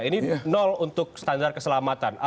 ini untuk standar keselamatan